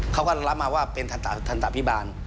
เขาก็รับมาว่าเป็นทันตะพิบาล